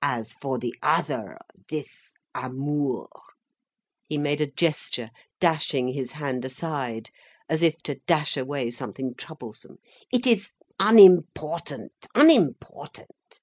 "As for the other, this amour—" he made a gesture, dashing his hand aside, as if to dash away something troublesome—"it is unimportant, unimportant.